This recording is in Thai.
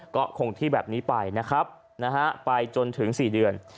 ก็คงที่แบบนี้ไปนะครับไปจนถึง๔เดือน